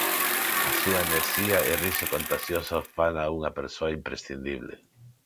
A súa enerxía e riso contaxioso fana unha persoa imprescindible.